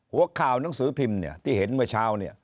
หัวข่าวหนังสือพิมพ์ที่เห็นเมื่อเช้า